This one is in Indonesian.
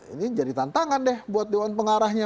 ini jadi tantangan deh buat dewan pengarahnya